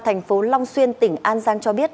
thành phố long xuyên tỉnh an giang cho biết